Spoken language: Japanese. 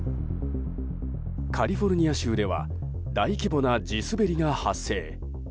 カリフォルニア州では大規模な地滑りが発生。